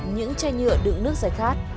những chai nhựa đựng nước rải khát